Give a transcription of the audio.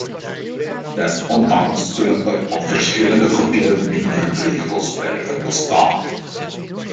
Desondanks zullen er op verschillende gebieden minimumregels blijven bestaan.